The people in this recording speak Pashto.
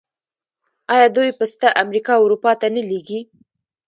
آیا دوی پسته امریکا او اروپا ته نه لیږي؟